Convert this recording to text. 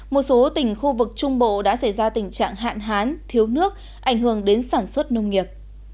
một số tỉnh khu vực trung bộ đã xảy ra tình trạng hạn hán thiếu nước ảnh hưởng đến sản xuất nông nghiệp